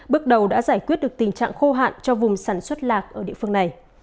bước đầu đã giải quyết được tình trạng khô hạn cho vùng sản xuất lạc ở địa phương này